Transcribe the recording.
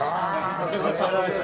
お疲れさまです。